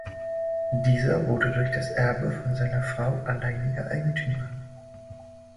Dieser wurde durch das Erbe von seiner Frau alleiniger Eigentümer.